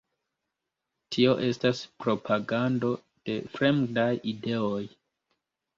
Tio estas propagando de fremdaj ideoj!